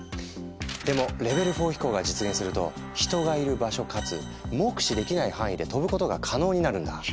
でもレベル４飛行が実現すると人がいる場所かつ目視できない範囲で飛ぶことが可能になるんだ。